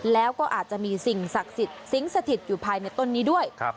แล้วก็อาจจะมีสิ่งศักดิ์สิทธิ์สิงสถิตอยู่ภายในต้นนี้ด้วย